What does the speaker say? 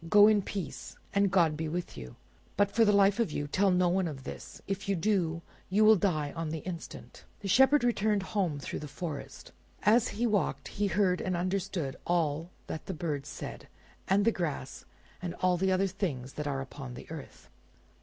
Go in peace, and God be with you! but for the life of you, tell no one of this; if you do, you will die on the instant!" The Shepherd returned home through the forest. As he walked he heard and understood all that the birds said, and the grass and all the other things that are upon the earth.